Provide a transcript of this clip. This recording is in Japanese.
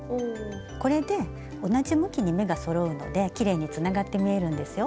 これで同じ向きに目がそろうのできれいにつながって見えるんですよ。